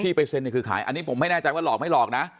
ไปเซ็นเนี่ยคือขายอันนี้ผมไม่แน่ใจว่าหลอกไม่หลอกนะ